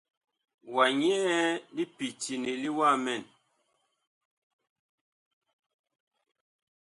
Wa nyɛɛ li pityene li wamɛn.